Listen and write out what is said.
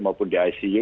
maupun di icu